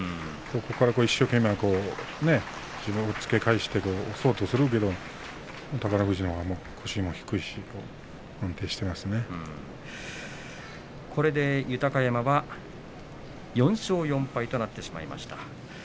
ここから一生懸命を押っつけ返して押そうとするけれど宝富士の腰も低いからこれで豊山は４勝４敗となってしまいました。